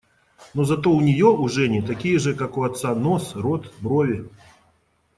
Но зато у нее, у Жени, такие же, как у отца, нос, рот, брови.